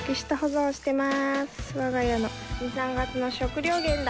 我が家の２３月の食料源だ。